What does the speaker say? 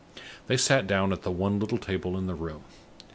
They sat down at the one little table in the room.